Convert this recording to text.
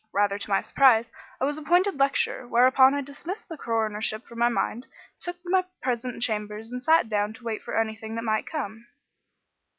Rather to my surprise, I was appointed lecturer, whereupon I dismissed the coronership from my mind, took my present chambers and sat down to wait for anything that might come."